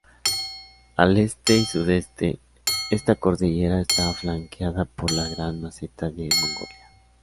Al este y sudeste, esta cordillera está flanqueada por la gran meseta de Mongolia.